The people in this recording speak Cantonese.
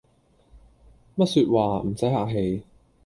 乜說話，唔洗客氣